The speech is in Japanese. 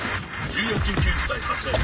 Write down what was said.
重要緊急事態発生。